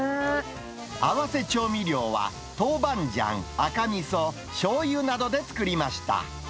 合わせ調味料は、トウバンジャン、赤みそ、しょうゆなどで作りました。